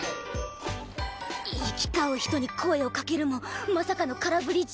行き交う人に声をかけるもまさかの空振り１０連続。